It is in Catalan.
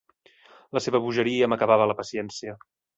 La seva bogeria m'acabava la paciència!